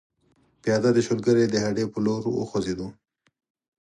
پیاده د شولګرې د هډې پر لور وخوځېدو.